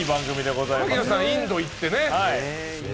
槙野さん、インド行ってね。